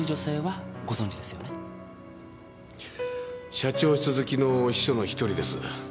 社長室付の秘書の１人です。